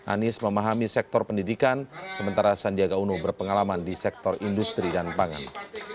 anies memahami sektor pendidikan sementara sandiaga uno berpengalaman di sektor industri dan pangan